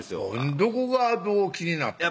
どこがどう気になってたん？